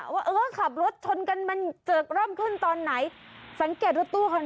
ตรงที่จอดน่ะเขาจะมีกรอบข้างหน้าเห็นไหม